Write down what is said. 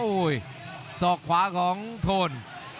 โอ้โหสอกขวาของโทน